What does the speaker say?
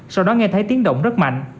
sau đó nghe thấy tiếng động rất mạnh